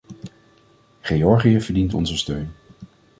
Georgië verdient onze steun.